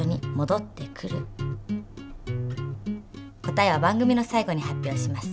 答えは番組の最後に発表します。